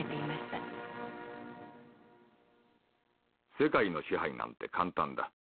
「世界の支配なんて簡単だ。